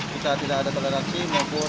kita tidak ada toleransi maupun